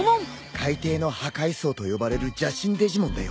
「海底の破戒僧」と呼ばれる邪神デジモンだよ。